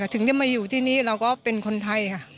ถึงได้มาอยู่ที่นี้เราก็เป็นคนไทยนะครับ